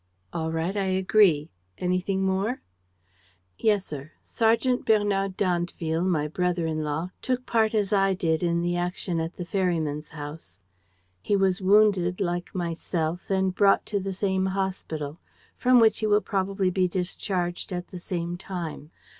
"All right, I agree. Anything more?" "Yes, sir, Sergeant Bernard d'Andeville, my brother in law, took part as I did in the action at the ferryman's house. He was wounded like myself and brought to the same hospital, from which he will probably be discharged at the same time.